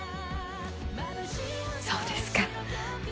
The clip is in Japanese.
そうですか。